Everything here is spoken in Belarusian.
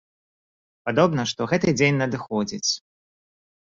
Падобна, што гэты дзень надыходзіць.